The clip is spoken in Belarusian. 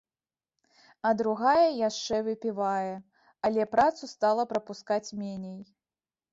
А другая яшчэ выпівае, але працу стала прапускаць меней.